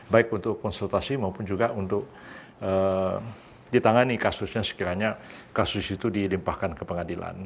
baik untuk konsultasi maupun juga untuk ditangani kasusnya sekiranya kasus itu dilimpahkan ke pengadilan